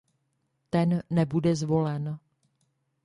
Ten nebude zvolen!